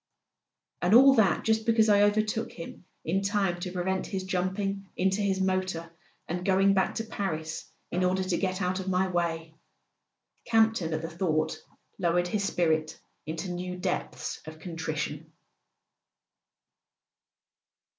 "And all that just because I overtook him in time to prevent his jumping into his motor and going back to Paris in order to get out of my way!" Campton, at the thought, lowered his spirit into new depths of con¬ trition.